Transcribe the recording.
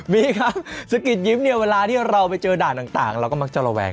มีครับสะกิดยิ้มเนี่ยเวลาที่เราไปเจอด่านต่างเราก็มักจะระแวง